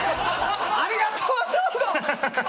ありがとう、省吾！